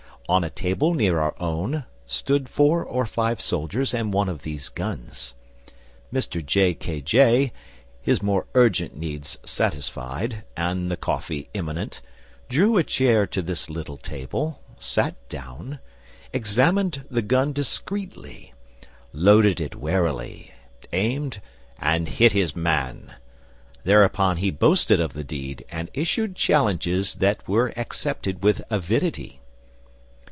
On a table near our own stood four or five soldiers and one of these guns. Mr J. K. J., his more urgent needs satisfied and the coffee imminent, drew a chair to this little table, sat down, examined the gun discreetly, loaded it warily, aimed, and hit his man. Thereupon he boasted of the deed, and issued challenges that were accepted with avidity....